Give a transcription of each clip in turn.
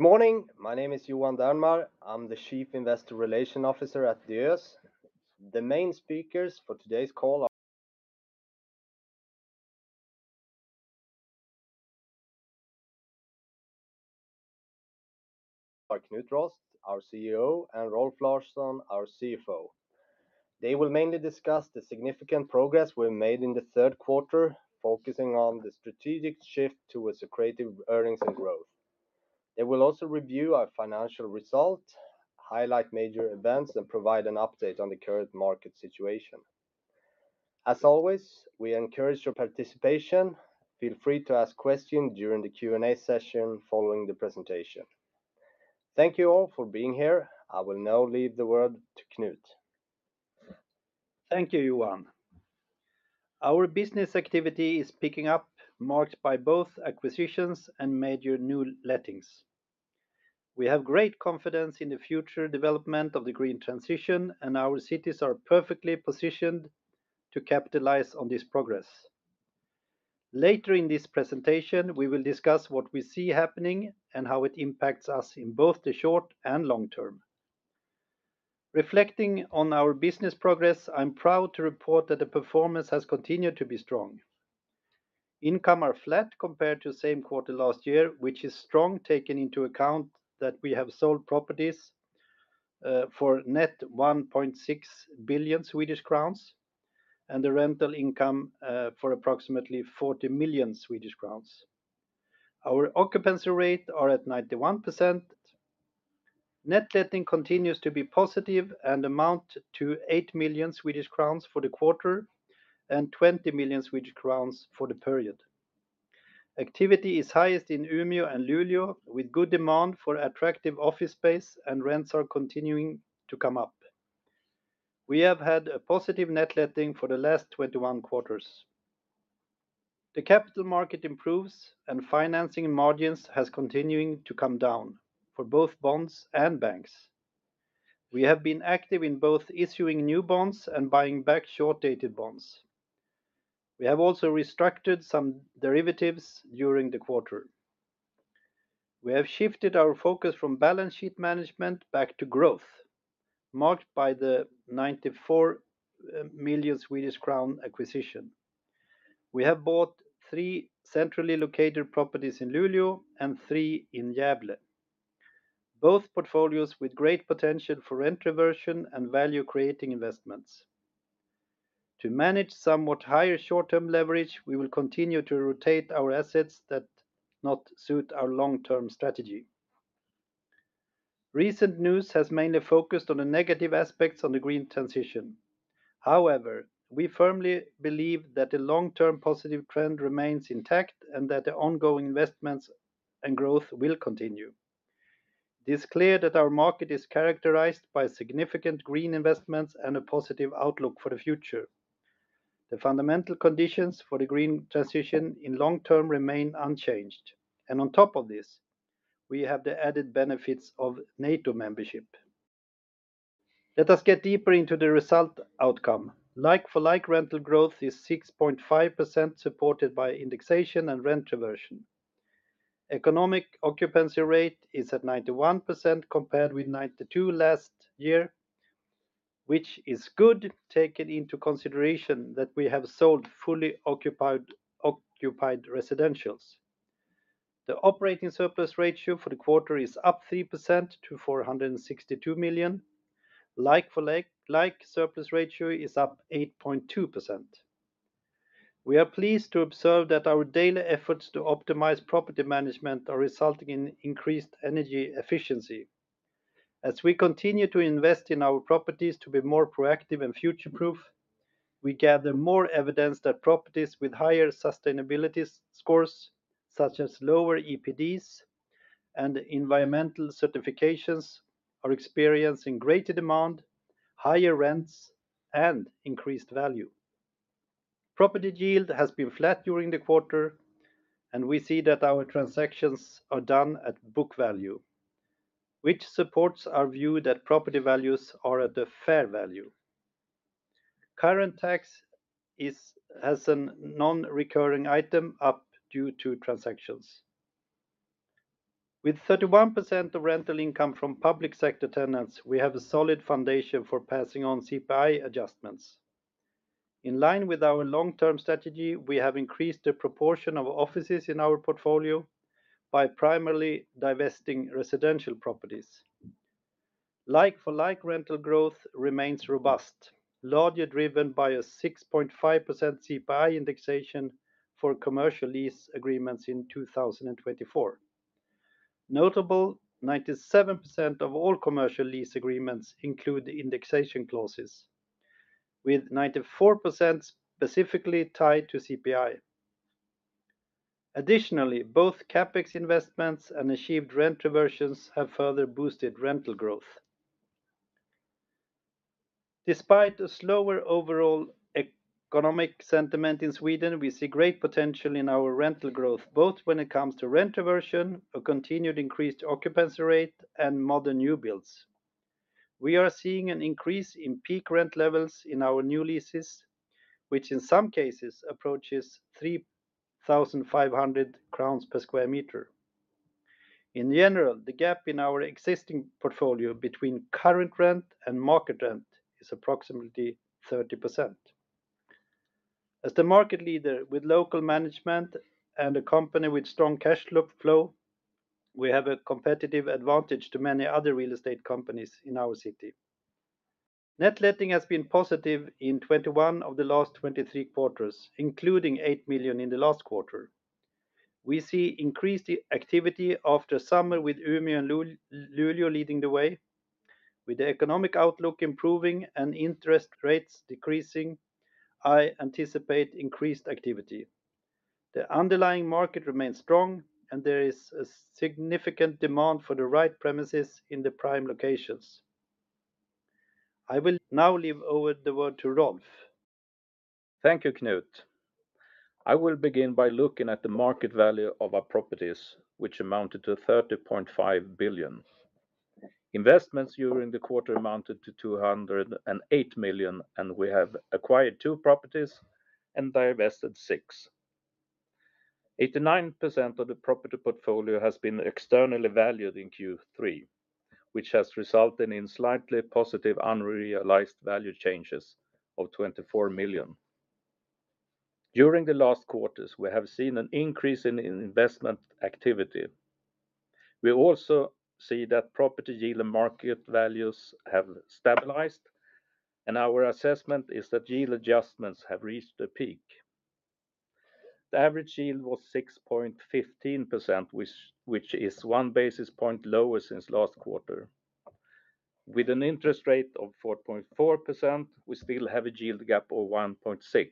Good morning. My name is Johan Dernmar. I'm the Chief Investor Relations Officer at Diös. The main speakers for today's call are Knut Rost, our CEO, and Rolf Larsson, our CFO. They will mainly discuss the significant progress we've made in the third quarter, focusing on the strategic shift towards accretive earnings and growth. They will also review our financial results, highlight major events, and provide an update on the current market situation. As always, we encourage your participation. Feel free to ask questions during the Q&A session following the presentation. Thank you all for being here. I will now leave the word to Knut. Thank you, Johan. Our business activity is picking up, marked by both acquisitions and major new lettings. We have great confidence in the future development of the green transition, and our cities are perfectly positioned to capitalize on this progress. Later in this presentation, we will discuss what we see happening and how it impacts us in both the short and long term. Reflecting on our business progress, I'm proud to report that the performance has continued to be strong. Income are flat compared to the same quarter last year, which is strong, taking into account that we have sold properties for net 1.6 billion Swedish crowns and the rental income for approximately 40 million Swedish crowns. Our occupancy rate are at 91%. Net letting continues to be positive and amount to 8 million Swedish crowns for the quarter and 20 million Swedish crowns for the period. Activity is highest in Umeå and Luleå, with good demand for attractive office space, and rents are continuing to come up. We have had a positive net letting for the last 21 quarters. The capital market improves, and financing margins has continuing to come down for both bonds and banks. We have been active in both issuing new bonds and buying back short-dated bonds. We have also restructured some derivatives during the quarter. We have shifted our focus from balance sheet management back to growth, marked by the 94 million Swedish crown acquisition. We have bought three centrally located properties in Luleå and three in Gävle, both portfolios with great potential for rent reversion and value-creating investments. To manage somewhat higher short-term leverage, we will continue to rotate our assets that not suit our long-term strategy. Recent news has mainly focused on the negative aspects on the green transition. However, we firmly believe that the long-term positive trend remains intact and that the ongoing investments and growth will continue. It is clear that our market is characterized by significant green investments and a positive outlook for the future. The fundamental conditions for the green transition in long term remain unchanged, and on top of this, we have the added benefits of NATO membership. Let us get deeper into the result outcome. Like-for-like rental growth is 6.5%, supported by indexation and rent reversion. Economic occupancy rate is at 91%, compared with 92 last year, which is good, taking into consideration that we have sold fully occupied, occupied residentials. The operating surplus ratio for the quarter is up 3% to 462 million. Like-for-like surplus ratio is up 8.2%. We are pleased to observe that our daily efforts to optimize property management are resulting in increased energy efficiency. As we continue to invest in our properties to be more proactive and future-proof, we gather more evidence that properties with higher sustainability scores, such as lower EPDs and environmental certifications, are experiencing greater demand, higher rents, and increased value. Property yield has been flat during the quarter, and we see that our transactions are done at book value, which supports our view that property values are at a fair value. Current tax is up as a non-recurring item due to transactions. With 31% of rental income from public sector tenants, we have a solid foundation for passing on CPI adjustments. In line with our long-term strategy, we have increased the proportion of offices in our portfolio by primarily divesting residential properties. Like-for-like rental growth remains robust, largely driven by a 6.5% CPI indexation for commercial lease agreements in 2024. Notably, 97% of all commercial lease agreements include indexation clauses, with 94% specifically tied to CPI. Additionally, both CapEx investments and achieved rent reversions have further boosted rental growth. Despite a slower overall economic sentiment in Sweden, we see great potential in our rental growth, both when it comes to rent reversion, a continued increased occupancy rate, and modern new builds. We are seeing an increase in peak rent levels in our new leases, which in some cases approaches 3,500 crowns per square meter. In general, the gap in our existing portfolio between current rent and market rent is approximately 30%. As the market leader with local management and a company with strong cash flow, we have a competitive advantage to many other real estate companies in our city. Net letting has been positive in 21 of the last 23 quarters, including 8 million in the last quarter. We see increased activity after summer with Umeå and Luleå leading the way. With the economic outlook improving and interest rates decreasing, I anticipate increased activity. The underlying market remains strong, and there is a significant demand for the right premises in the prime locations. I will now hand over the word to Rolf. Thank you, Knut. I will begin by looking at the market value of our properties, which amounted to 30.5 billion. Investments during the quarter amounted to 208 million, and we have acquired two properties and divested six. 89% of the property portfolio has been externally valued in Q3, which has resulted in slightly positive unrealized value changes of 24 million. During the last quarters, we have seen an increase in investment activity. We also see that property yield and market values have stabilized, and our assessment is that yield adjustments have reached a peak. The average yield was 6.15%, which is one basis point lower since last quarter. With an interest rate of 4.4%, we still have a yield gap of 1.6,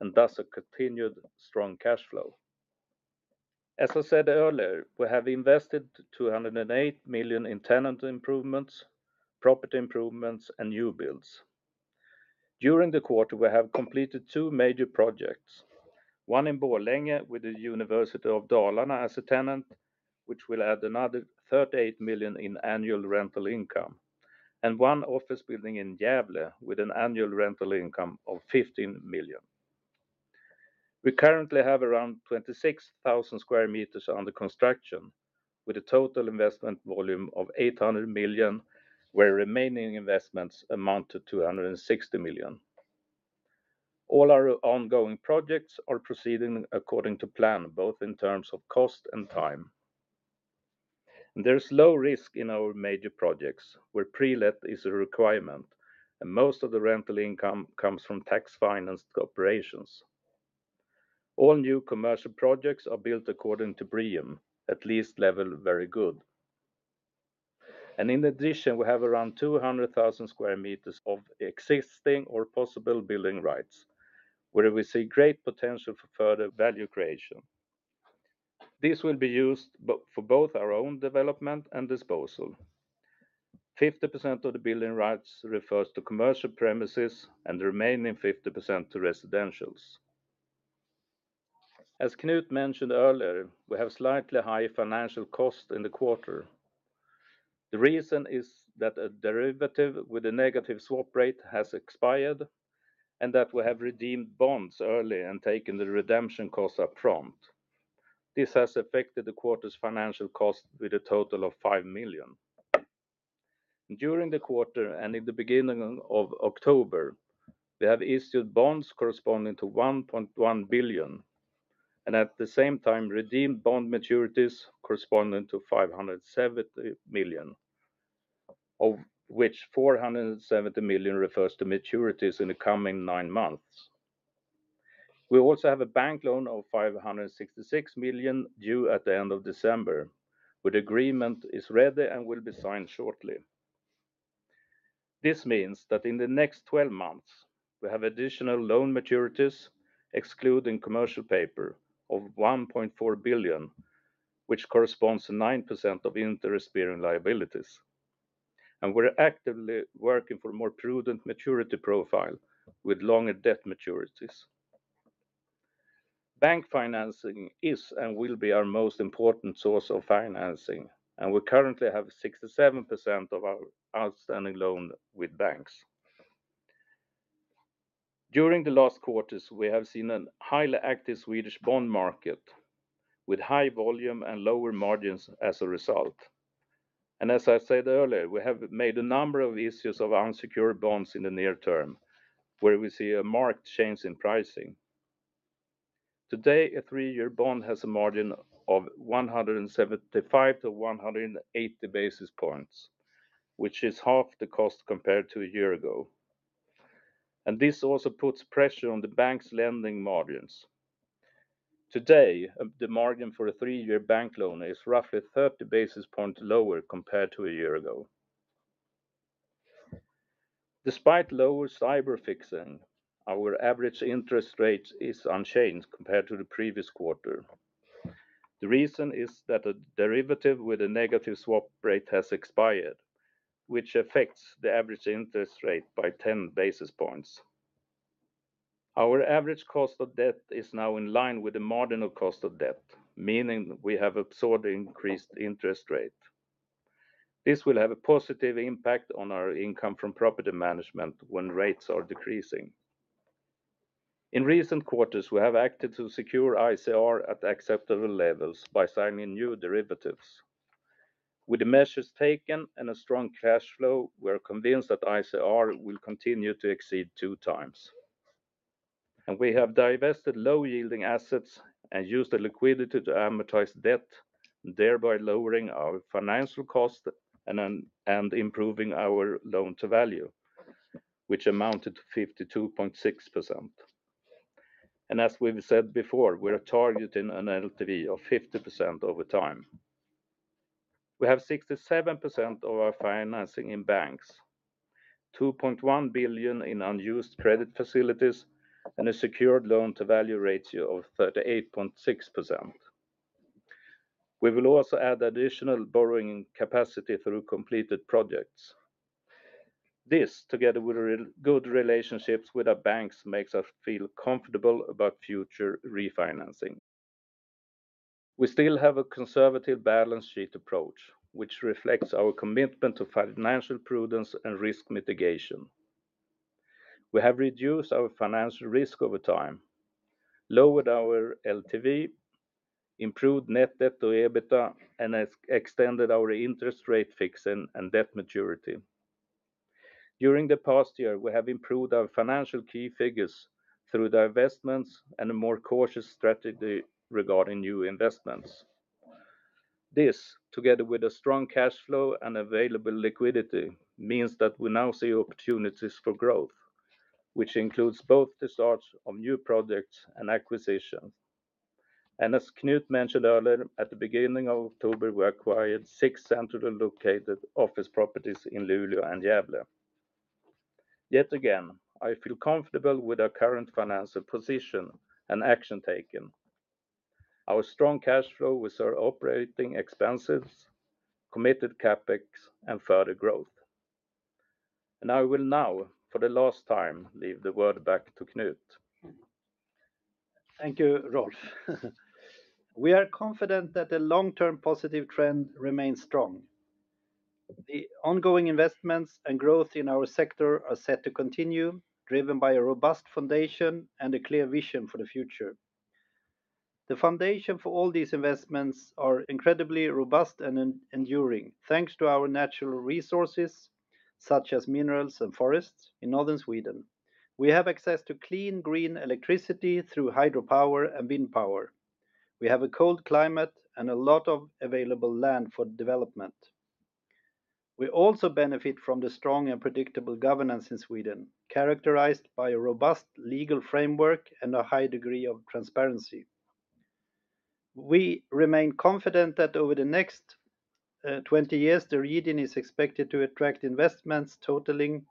and thus a continued strong cash flow. As I said earlier, we have invested 208 million in tenant improvements, property improvements, and new builds. During the quarter, we have completed two major projects: one in Borlänge with the University of Dalarna as a tenant, which will add another 38 million in annual rental income, and one office building in Gävle with an annual rental income of 15 million. We currently have around 26,000 square meters under construction, with a total investment volume of 800 million, where remaining investments amount to 260 million. All our ongoing projects are proceeding according to plan, both in terms of cost and time. There is low risk in our major projects, where pre-let is a requirement, and most of the rental income comes from tax-financed corporations. All new commercial projects are built according to BREEAM, at least level Very Good. In addition, we have around 200,000 square meters of existing or possible building rights, where we see great potential for further value creation. This will be used for both our own development and disposal. 50% of the building rights refers to commercial premises, and the remaining 50% to residentials. As Knut mentioned earlier, we have slightly high financial cost in the quarter. The reason is that a derivative with a negative swap rate has expired and that we have redeemed bonds early and taken the redemption cost upfront. This has affected the quarter's financial cost with a total of 5 million. During the quarter and in the beginning of October, we have issued bonds corresponding to 1.1 billion, and at the same time, redeemed bond maturities corresponding to 570 million, of which 470 million refers to maturities in the coming nine months. We also have a bank loan of 566 million due at the end of December, but the agreement is ready and will be signed shortly. This means that in the next 12 months, we have additional loan maturities, excluding commercial paper, of 1.4 billion, which corresponds to 9% of interest-bearing liabilities, and we're actively working for a more prudent maturity profile with longer debt maturities. Bank financing is and will be our most important source of financing, and we currently have 67% of our outstanding loan with banks. During the last quarters, we have seen a highly active Swedish bond market with high volume and lower margins as a result. And as I said earlier, we have made a number of issues of unsecured bonds in the near term, where we see a marked change in pricing. Today, a three-year bond has a margin of one hundred and seventy-five to one hundred and eighty basis points, which is half the cost compared to a year ago. And this also puts pressure on the bank's lending margins. Today, the margin for a three-year bank loan is roughly thirty basis points lower compared to a year ago. Despite lower STIBOR fixing, our average interest rate is unchanged compared to the previous quarter. The reason is that a derivative with a negative swap rate has expired, which affects the average interest rate by ten basis points. Our average cost of debt is now in line with the marginal cost of debt, meaning we have absorbed the increased interest rate. This will have a positive impact on our income from property management when rates are decreasing. In recent quarters, we have acted to secure ICR at acceptable levels by signing new derivatives. With the measures taken and a strong cash flow, we are convinced that ICR will continue to exceed two times. And we have divested low-yielding assets and used the liquidity to amortize debt, thereby lowering our financial cost and improving our loan-to-value, which amounted to 52.6%. And as we've said before, we are targeting an LTV of 50% over time. We have 67% of our financing in banks, 2.1 billion in unused credit facilities, and a secured loan-to-value ratio of 38.6%. We will also add additional borrowing capacity through completed projects. This, together with really good relationships with our banks, makes us feel comfortable about future refinancing. We still have a conservative balance sheet approach, which reflects our commitment to financial prudence and risk mitigation. We have reduced our financial risk over time, lowered our LTV, improved net debt to EBITDA, and extended our interest rate fixing and debt maturity. During the past year, we have improved our financial key figures through the investments and a more cautious strategy regarding new investments. This, together with a strong cash flow and available liquidity, means that we now see opportunities for growth, which includes both the start of new projects and acquisitions, and as Knut mentioned earlier, at the beginning of October, we acquired six centrally located office properties in Luleå and Gävle. Yet again, I feel comfortable with our current financial position and action taken. Our strong cash flow with our operating expenses, committed CapEx, and further growth, and I will now, for the last time, leave the word back to Knut. Thank you, Rolf. We are confident that the long-term positive trend remains strong. The ongoing investments and growth in our sector are set to continue, driven by a robust foundation and a clear vision for the future. The foundation for all these investments are incredibly robust and enduring, thanks to our natural resources, such as minerals and forests in northern Sweden. We have access to clean, green electricity through hydropower and wind power. We have a cold climate and a lot of available land for development. We also benefit from the strong and predictable governance in Sweden, characterized by a robust legal framework and a high degree of transparency. We remain confident that over the next twenty years, the region is expected to attract investments totaling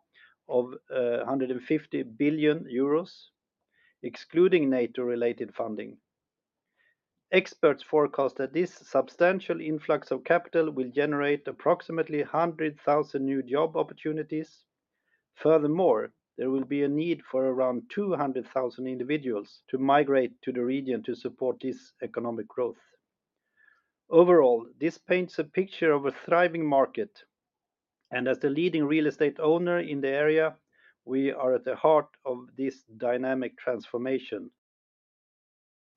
of a hundred and fifty billion EUR, excluding NATO-related funding. Experts forecast that this substantial influx of capital will generate approximately 100,000 new job opportunities. Furthermore, there will be a need for around 200,000 individuals to migrate to the region to support this economic growth. Overall, this paints a picture of a thriving market, and as the leading real estate owner in the area, we are at the heart of this dynamic transformation.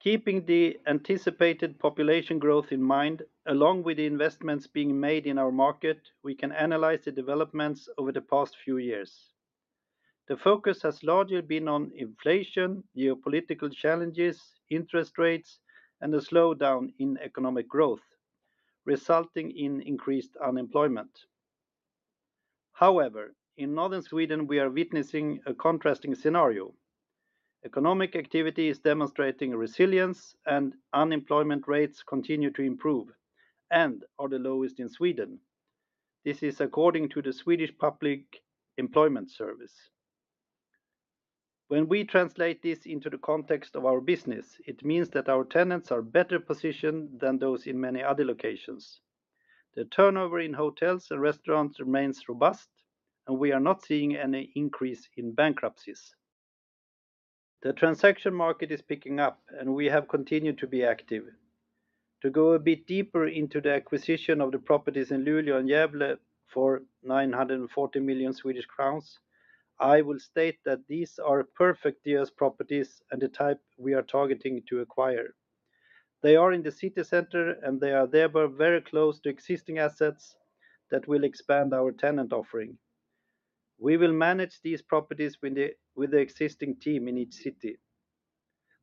Keeping the anticipated population growth in mind, along with the investments being made in our market, we can analyze the developments over the past few years. The focus has largely been on inflation, geopolitical challenges, interest rates, and a slowdown in economic growth, resulting in increased unemployment. However, in northern Sweden, we are witnessing a contrasting scenario. Economic activity is demonstrating resilience, and unemployment rates continue to improve and are the lowest in Sweden. This is according to the Swedish Public Employment Service. When we translate this into the context of our business, it means that our tenants are better positioned than those in many other locations. The turnover in hotels and restaurants remains robust, and we are not seeing any increase in bankruptcies. The transaction market is picking up, and we have continued to be active. To go a bit deeper into the acquisition of the properties in Luleå and Gävle for 940 million Swedish crowns, I will state that these are perfect deals, properties, and the type we are targeting to acquire. They are in the city center, and they are thereby very close to existing assets that will expand our tenant offering. We will manage these properties with the existing team in each city.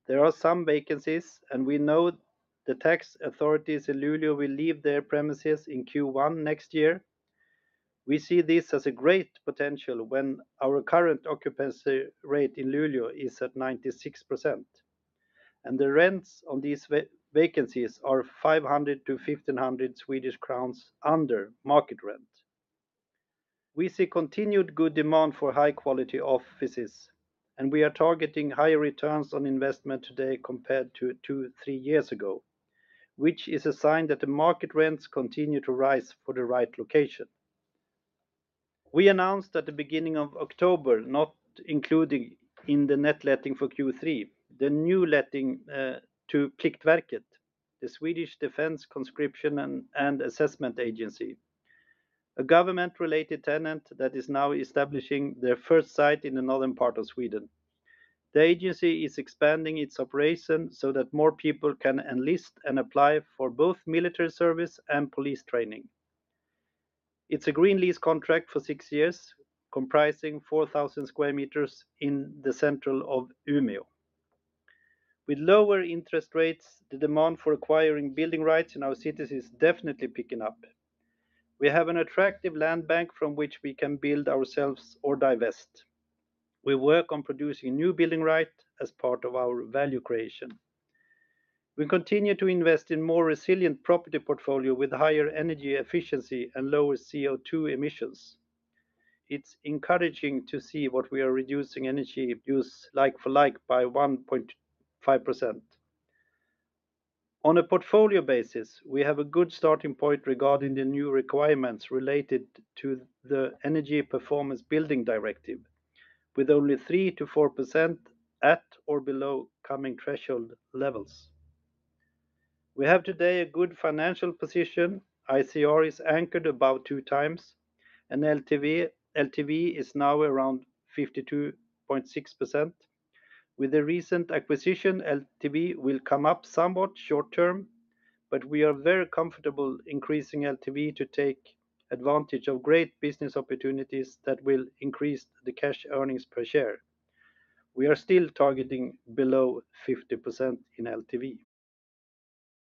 There are some vacancies, and we know the tax authorities in Luleå will leave their premises in Q1 next year. We see this as a great potential when our current occupancy rate in Luleå is at 96%, and the rents on these vacancies are 500-1,500 Swedish crowns under market rent. We see continued good demand for high-quality offices, and we are targeting higher returns on investment today compared to two, three years ago, which is a sign that the market rents continue to rise for the right location. We announced at the beginning of October, not including in the net letting for Q3, the new letting to Pliktverket, the Swedish Defence Conscription and Assessment Agency, a government-related tenant that is now establishing their first site in the northern part of Sweden. The agency is expanding its operation so that more people can enlist and apply for both military service and police training. It's a green lease contract for six years, comprising 4,000 sq m in the center of Umeå. With lower interest rates, the demand for acquiring building rights in our cities is definitely picking up. We have an attractive land bank from which we can build ourselves or divest. We work on producing new building rights as part of our value creation. We continue to invest in more resilient property portfolio with higher energy efficiency and lower CO2 emissions. It's encouraging to see what we are reducing energy use like for like by 1.5%. On a portfolio basis, we have a good starting point regarding the new requirements related to the Energy Performance Building Directive, with only 3%-4% at or below coming threshold levels. We have today a good financial position. ICR is anchored about two times, and LTV is now around 52.6%. With the recent acquisition, LTV will come up somewhat short-term, but we are very comfortable increasing LTV to take advantage of great business opportunities that will increase the cash earnings per share. We are still targeting below 50% in LTV.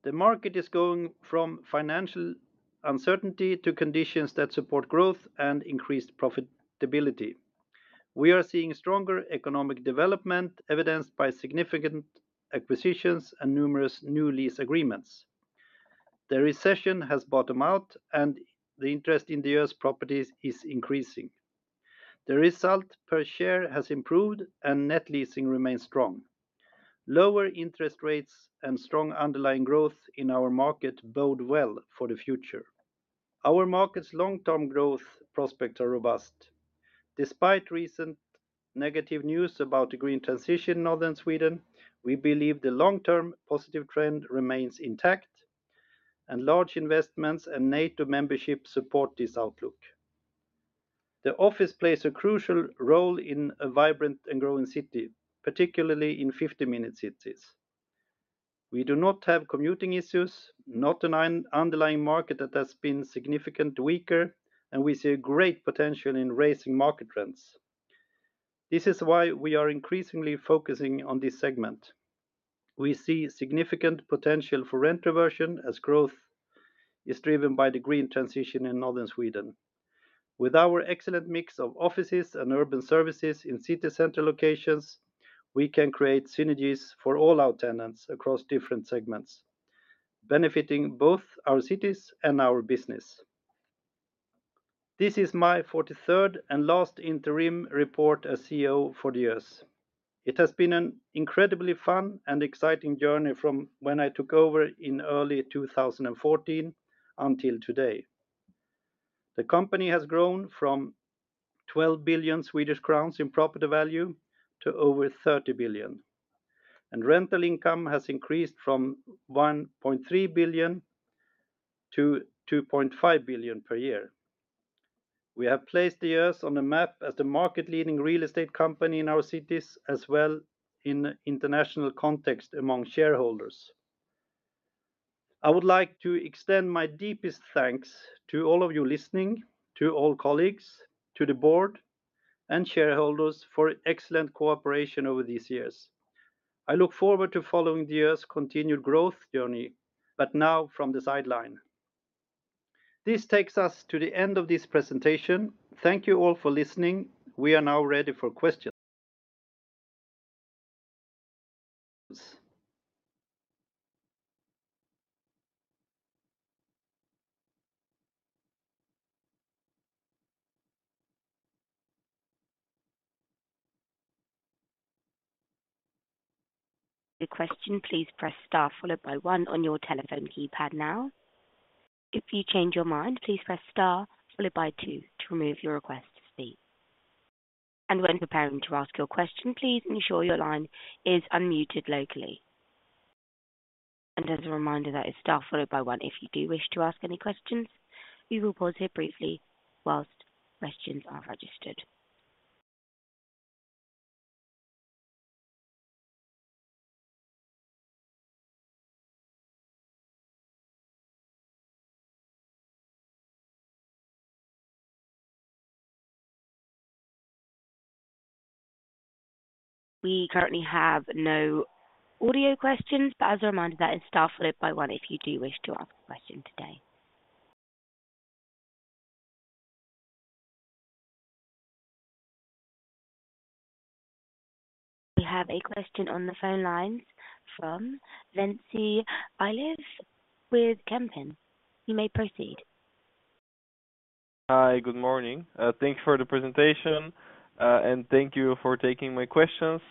The market is going from financial uncertainty to conditions that support growth and increased profitability. We are seeing stronger economic development, evidenced by significant acquisitions and numerous new lease agreements. The recession has bottomed out, and the interest in the U.S. properties is increasing. The result per share has improved and net letting remains strong. Lower interest rates and strong underlying growth in our market bode well for the future. Our market's long-term growth prospects are robust. Despite recent negative news about the green transition in northern Sweden, we believe the long-term positive trend remains intact, and large investments and NATO membership support this outlook. The office plays a crucial role in a vibrant and growing city, particularly in fifty-minute cities. We do not have commuting issues, not an underlying market that has been significantly weaker, and we see a great potential in raising market rents. This is why we are increasingly focusing on this segment. We see significant potential for rent reversion as growth is driven by the green transition in northern Sweden. With our excellent mix of offices and urban services in city center locations, we can create synergies for all our tenants across different segments, benefiting both our cities and our business. This is my forty-third and last interim report as CEO for the years. It has been an incredibly fun and exciting journey from when I took over in early two thousand and fourteen until today. The company has grown from 12 billion Swedish crowns in property value to over 30 billion, and rental income has increased from 1.3 billion to 2.5 billion per year. We have placed Diös on the map as the market-leading real estate company in our cities, as well in international context among shareholders. I would like to extend my deepest thanks to all of you listening, to all colleagues, to the board, and shareholders for excellent cooperation over these years. I look forward to following Diös continued growth journey, but now from the sideline. This takes us to the end of this presentation. Thank you all for listening. We are now ready for questions. your question, please press star followed by one on your telephone keypad now. If you change your mind, please press star followed by two to remove your request to speak. And when preparing to ask your question, please ensure your line is unmuted locally. And as a reminder, that is star followed by one if you do wish to ask any questions. We will pause here briefly while questions are registered. We currently have no audio questions, but as a reminder, that is star followed by one if you do wish to ask a question today. We have a question on the phone lines from Vincy Iles with Kempen. You may proceed. Hi, good morning. Thank you for the presentation, and thank you for taking my questions.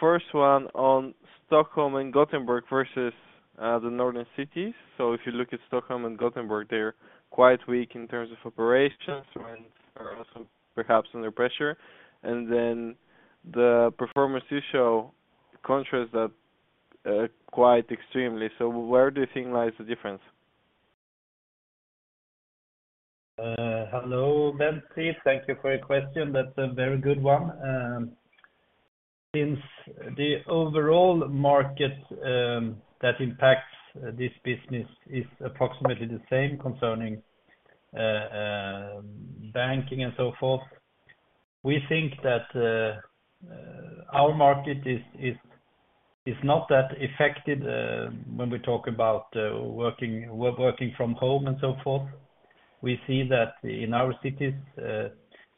First one on Stockholm and Gothenburg versus the northern cities. So if you look at Stockholm and Gothenburg, they're quite weak in terms of operations and are also perhaps under pressure, and then the performance you show contrasts that quite extremely. So where do you think lies the difference? Hello, Matthew. Thank you for your question. That's a very good one. Since the overall market that impacts this business is approximately the same concerning banking and so forth, we think that our market is not that affected when we talk about working from home and so forth. We see that in our cities,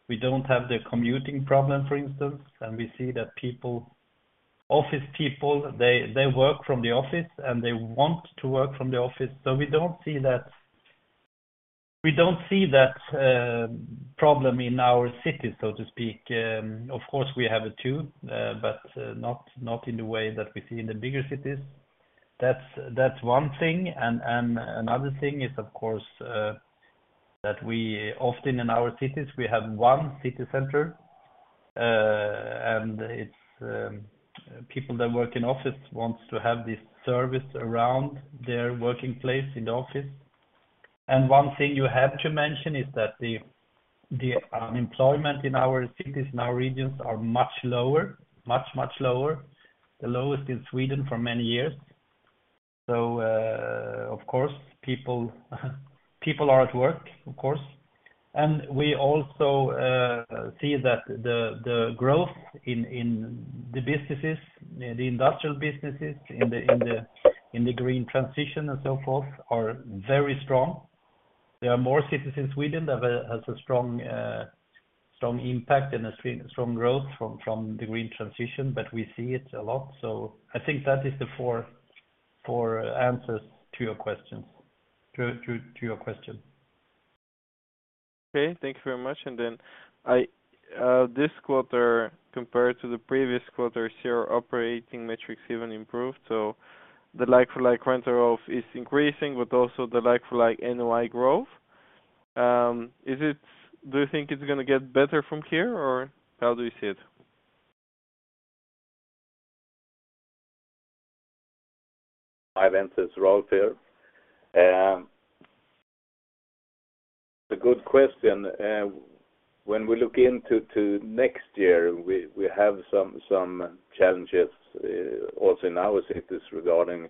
we don't have the commuting problem, for instance, and we see that people, office people, they work from the office, and they want to work from the office. So we don't see that, we don't see that problem in our cities, so to speak. Of course, we have it too, but not in the way that we see in the bigger cities. That's one thing. And another thing is, of course, that we often in our cities, we have one city center, and it's people that work in office wants to have this service around their working place in the office. And one thing you have to mention is that the employment in our cities, in our regions are much lower, the lowest in Sweden for many years. So, of course, people are at work, of course. And we also see that the growth in the businesses, the industrial businesses in the green transition and so forth, are very strong. There are more cities in Sweden that have a strong impact and a strong growth from the green transition, but we see it a lot. So I think that is the four answers to your question. Okay, thank you very much. And then I, this quarter, compared to the previous quarter, your operating metrics even improved, so the like-for-like rental is increasing, but also the like-for-like NOI growth. Is it... Do you think it's gonna get better from here, or how do you see it? Hi, Matthew, it's Rolf here. It's a good question. When we look into next year, we have some challenges also in our cities, regarding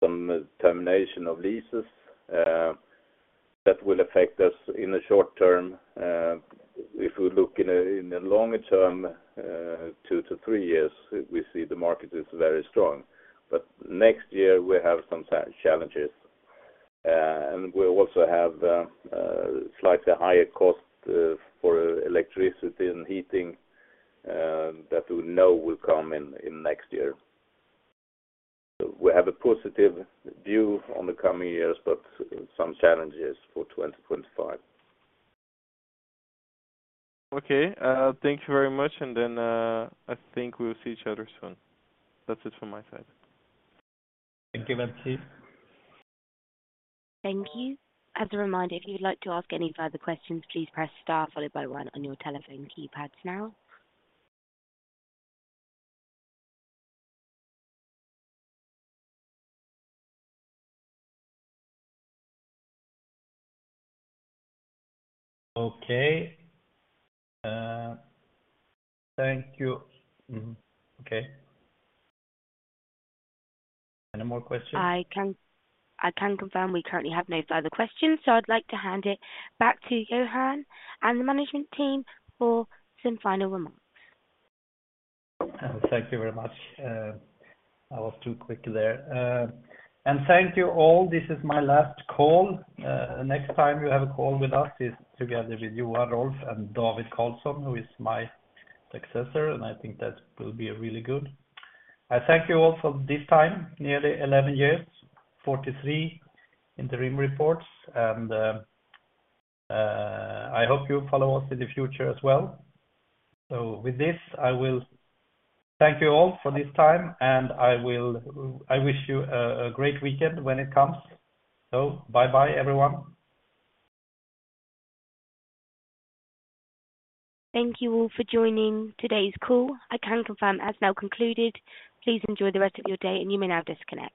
some termination of leases that will affect us in the short term. If we look in the longer term, two to three years, we see the market is very strong, but next year we have some challenges, and we'll also have slightly higher cost for electricity and heating that we know will come in next year. We have a positive view on the coming years, but some challenges for twenty twenty-five. Okay. Thank you very much, and then, I think we will see each other soon. That's it from my side. Thank you, Vincy. Thank you. As a reminder, if you'd like to ask any further questions, please press star followed by one on your telephone keypads now. Okay. Thank you. Mm-hmm. Okay. Any more questions? I can confirm we currently have no further questions, so I'd like to hand it back to Johan and the management team for some final remarks. Thank you very much. I was too quick there. And thank you, all. This is my last call. Next time you have a call with us is together with Johan, Rolf, and David Carlsson, who is my successor, and I think that will be really good. I thank you all for this time, nearly 11 years, 43 in the interim reports, and I hope you follow us in the future as well. With this, I will thank you all for this time, and I will. I wish you a great weekend when it comes. Bye-bye, everyone. Thank you all for joining today's call. I can confirm it has now concluded. Please enjoy the rest of your day, and you may now disconnect.